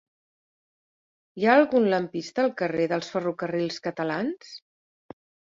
Hi ha algun lampista al carrer dels Ferrocarrils Catalans?